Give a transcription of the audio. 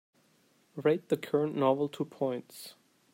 Rate the current novel two points